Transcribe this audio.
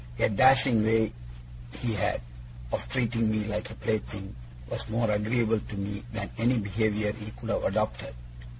A dashing way he had of treating me like a plaything, was more agreeable to me than any behaviour he could have adopted.